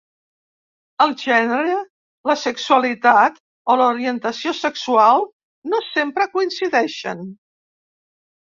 El gènere, la sexualitat o l'orientació sexual no sempre coincideixen.